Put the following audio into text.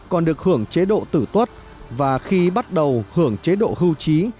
còn được hưởng chế độ tử tuất và khi bắt đầu hưởng chế độ hưu trí